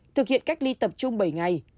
thực hiện cách ly tập trung bảy ngày